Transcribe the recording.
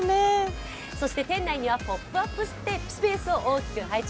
そして店内にはポップアップスペースを大きく配置。